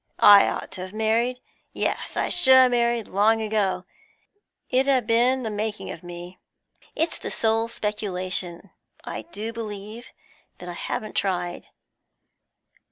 I ought to have married; yes, I should ha' married long ago; it 'ud a' been the making of me. It's the sole speculation, I do believe, that I haven't tried.